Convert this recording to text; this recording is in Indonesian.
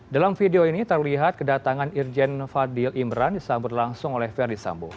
dalam video ini terlihat kedatangan irjen fadil imran disambut langsung oleh verdi sambo